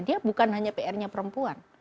dia bukan hanya pr nya perempuan